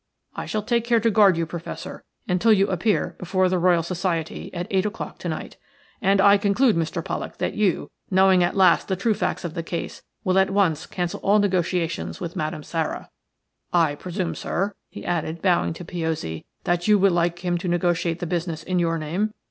I shall take care to guard you, Professor, until you appear before the Royal Society at eight o'clock to night. And I conclude, Mr. Pollak, that you, knowing at last the true facts of the case, will at once cancel all negotiations with Madame Sara. I presume, sir," he added, bowing to Piozzi, "that you will like him to negotiate the business in your name?